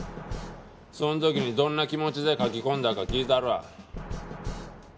その時にどんな気持ちで書き込んだか聞いたるわ。